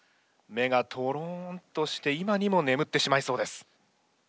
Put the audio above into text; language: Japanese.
目がとろんとして今にも眠ってしまいそうです。